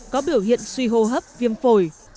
có biểu hiện suy hô hấp viêm phổi